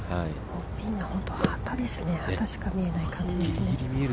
ピンの旗しか見えない感じですね。